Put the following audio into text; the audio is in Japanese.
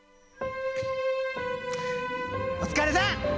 お疲れさん！